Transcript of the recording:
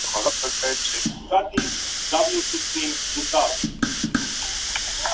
Aristeo es, en realidad, Plutón, el dios de los infiernos, que se ha disfrazado.